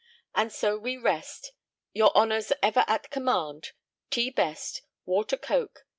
And so we rest, Your honour's ever at command, T. BEST. WALTER COKE.